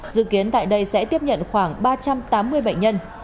dự kiến tại đây sẽ tiếp nhận khoảng ba trăm tám mươi bệnh nhân